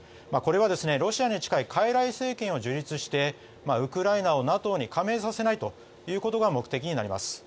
これはロシアに近い傀儡政権を樹立してウクライナをＮＡＴＯに加盟させないということが目的になります。